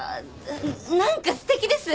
何かすてきです。